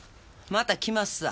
また来ますわ。